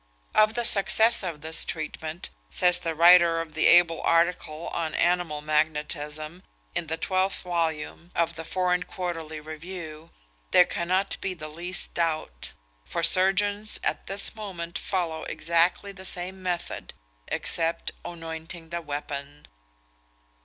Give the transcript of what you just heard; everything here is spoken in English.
Of the success of this treatment, says the writer of the able article on Animal Magnetism, in the twelfth volume of the Foreign Quarterly Review, there cannot be the least doubt; "for surgeons at this moment follow exactly the same method, except anointing the weapon!"